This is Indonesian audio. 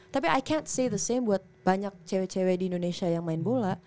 tapi i can t say the same buat banyak cewek cewek di indonesia yang main bola